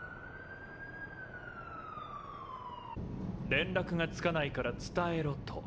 連絡がつかないから伝えろと。